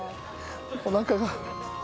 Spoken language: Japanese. おなかが。